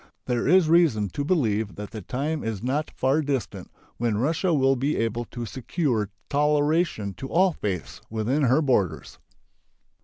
There is reason to believe that the time is not far distant when Russia will be able to secure toleration to all faiths within her borders.